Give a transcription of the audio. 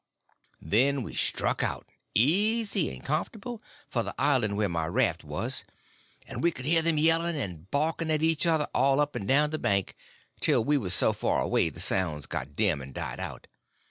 Then we struck out, easy and comfortable, for the island where my raft was; and we could hear them yelling and barking at each other all up and down the bank, till we was so far away the sounds got dim and died out.